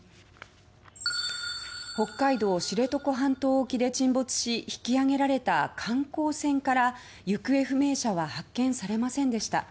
北海道知床半島沖で沈没し引き揚げられた観光船から行方不明者は発見されませんでした。